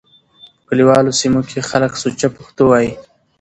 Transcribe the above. په کليوالو سيمو کې خلک سوچه پښتو وايي.